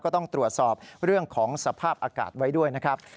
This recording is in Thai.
ก็ต้องตรวจสอบเรื่องของสภาพอากาศไว้ด้วยนะครับ